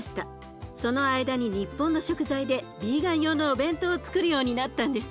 その間に日本の食材でビーガン用のお弁当をつくるようになったんです。